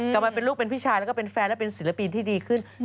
กลับมาเป็นลูกเป็นพี่ชายแล้วก็เป็นแฟนและเป็นศิลปินที่ดีขึ้น